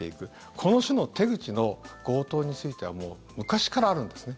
この種の手口の強盗についてはもう昔からあるんですね。